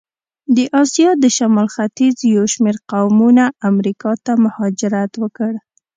د آسیا د شمال ختیځ یو شمېر قومونه امریکا ته مهاجرت وکړ.